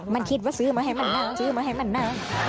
มันคิดว่าซื้อมาให้มันนั่งซื้อมาให้มันนั่ง